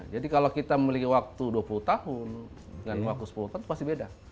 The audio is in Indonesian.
jadi kalau kita memiliki waktu dua puluh tahun dengan waktu sepuluh tahun pasti beda